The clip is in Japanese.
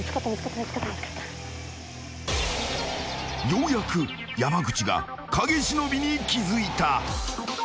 ［ようやく山口が影忍に気付いた］